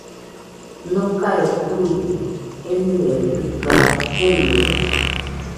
Nokae tuide enɨe dɨga jemede